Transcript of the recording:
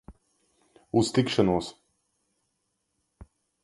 Uz tikšanos!